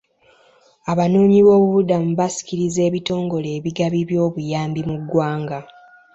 Abanoonyibobubudamu basikiriza ebitongole ebigabi by'obuyambi mu ggwanga.